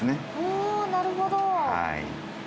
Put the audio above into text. おなるほど。